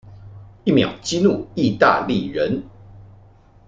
一秒激怒義大利人